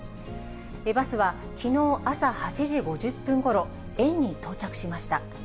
バスは、きのう朝８時５０分ごろ、園に到着しました。